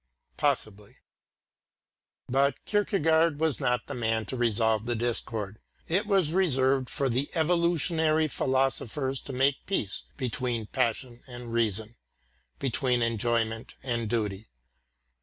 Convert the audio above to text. Possibly. But Kierkegaard was not the man to resolve the discord. It was reserved for the evolutionary philosophers to make peace between passion and reason, between enjoyment and duty.